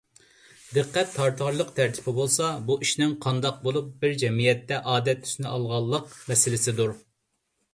دىققەت تارتارلىق تەرىپى بولسا، بۇ ئىشنىڭ قانداق بولۇپ بىر جەمئىيەتتە ئادەت تۈسىنى ئالالىغانلىق مەسىلىسىدۇر.